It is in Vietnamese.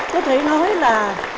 có thể nói là